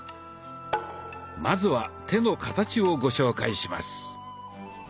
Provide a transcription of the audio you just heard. まずは手の形をご紹介します。